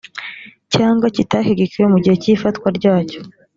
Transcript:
cyangwa kitashyigikiwe mu gihe cy ifatwa ryacyo